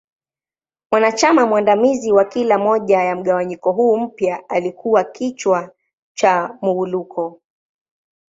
Mwanachama mwandamizi wa kila moja ya mgawanyiko huu mpya alikua kichwa cha Muwuluko.